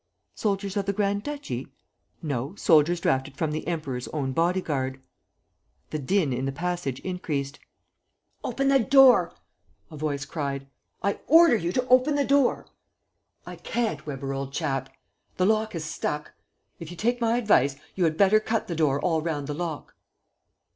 "Soldiers of the grand duchy?" "No, soldiers drafted from the Emperor's own body guard." The din in the passage increased: "Open the door!" a voice cried. "I order you to open the door!" "I can't. Weber, old chap; the lock has stuck. If you take my advice, you had better cut the door all round the lock."